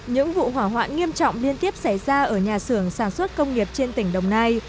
những vụ hỏa hoạn nghiêm trọng liên tiếp xảy ra ở nhà xưởng sản xuất công nghiệp trên tỉnh đồng nai